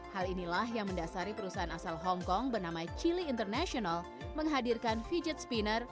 hal inilah yang mendasari perusahaan asal hongkong bernama chile international menghadirkan vijaget spinner